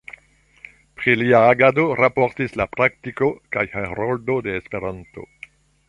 Pri lia agado raportis „La Praktiko“ kaj „Heroldo de Esperanto“.